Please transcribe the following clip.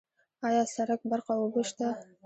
آیا سرک، برق او اوبه شته؟